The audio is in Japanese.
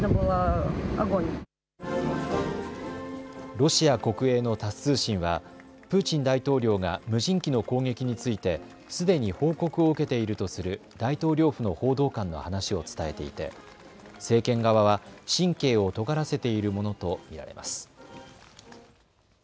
ロシア国営のタス通信はプーチン大統領が無人機の攻撃についてすでに報告を受けているとする大統領府の報道官の話を伝えていて政権側は神経をとがらせているものと見られます。